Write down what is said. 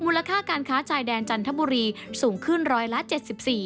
มูลค่าการค้าชายแดนจันทบุรีสูงขึ้น๑๗๔๐๐๐บาท